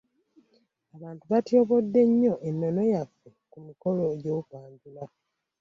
Abantu batyobodde nnyo Ennono yaffe ku mikolo egy’okwanjulwa.